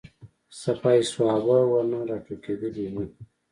سپاه صحابه ورنه راټوکېدلي وو.